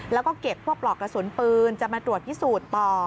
แล้วก็เก็บพวกปลอกกระสุนปืนจะมาตรวจพิสูจน์ต่อ